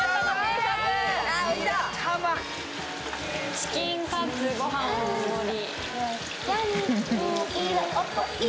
チキンカツ、ご飯大盛り。